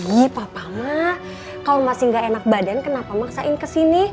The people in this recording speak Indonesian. gi papa mah kalau masih gak enak badan kenapa maksain kesini